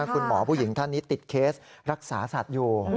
คุณหมอผู้หญิงท่านนี้ติดเคสรักษาสัตว์อยู่